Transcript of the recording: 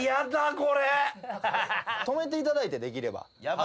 止めていただいてできれば。